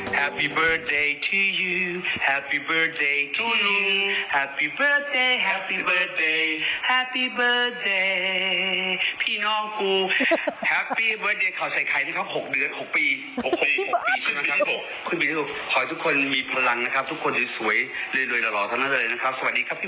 ขอให้มีความสุขแล้วครับพี่รู้ว่าชนุกแต่ว่าคงจะเหนื่อยกันเหมือนกันนะครับ